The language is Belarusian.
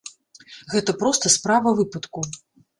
Гэта проста справа выпадку.